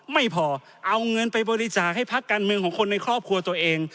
ไม่พอเอาเงินไปบริจาคให้พักการเมืองของคนในครอบครัวตัวเอง